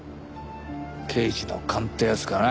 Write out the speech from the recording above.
刑事の勘ってやつかな。